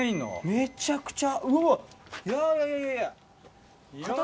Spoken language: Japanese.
めちゃくちゃ。